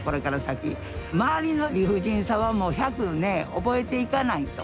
周りの理不尽さはもう百ね覚えていかないと。